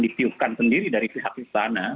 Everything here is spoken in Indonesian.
ditiupkan sendiri dari pihak istana